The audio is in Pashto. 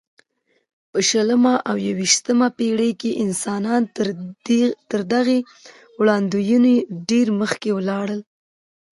په شلمه او یویشتمه پېړۍ کې انسانان تر دغې وړاندوینو ډېر مخکې ولاړل.